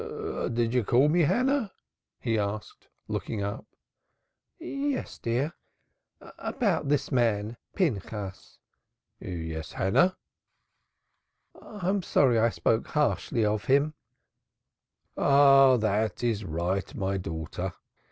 "Did you call me, Hannah?" he asked, looking up. "Yes, dear. About this man, Pinchas." "Yes, Hannah." "I am sorry I spoke harshly of him,'' "Ah, that is right, my daughter.